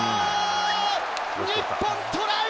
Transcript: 日本、トライ！